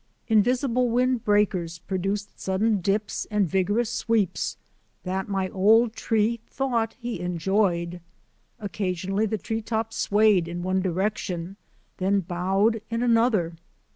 In visible wind breakers produced sudden dips and vigorous sweeps that my old tree thought he en joyed. Occasionally the tree top swayed in one direction, then bowed in another.